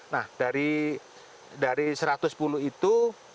nah dari satu ratus sepuluh itu lima puluh lima puluh